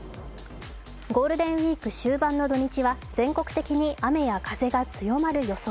ゴールデンウイーク終盤の土日は全国的に雨や風が強まる予想。